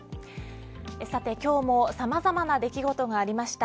さて今日もさまざまな出来事がありました。